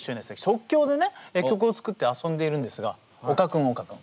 即興でね曲を作って遊んでいるんですが岡君岡君